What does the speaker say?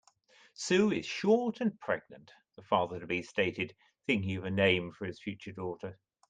"Sue is short and pregnant", the father-to-be stated, thinking of a name for his future daughter.